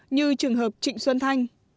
như trường hợp trịnh xuân thanh